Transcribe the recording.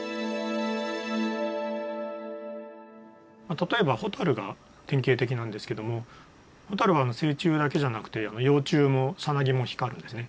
例えば蛍が典型的なんですけども蛍は成虫だけじゃなくて幼虫もさなぎも光るんですね。